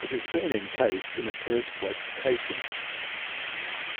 It has been encased in a persplex casing.